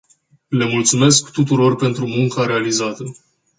Le mulțumesc tuturor pentru munca realizată.